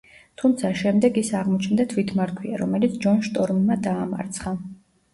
თუმცა შემდეგ ის აღმოჩნდა თვითმარქვია, რომელიც ჯონ შტორმმა დაამარცხა.